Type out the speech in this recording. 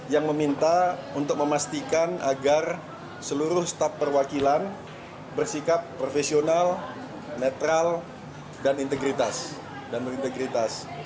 yang meminta untuk memastikan agar seluruh staf perwakilan bersikap profesional netral dan integritas dan berintegritas